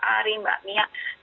terima kasih mbak mia